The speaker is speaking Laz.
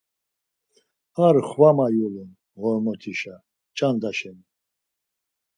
Ar xvama yulun Ğormotişa ç̌anda şeni.